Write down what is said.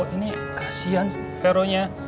ini kasihan fero nya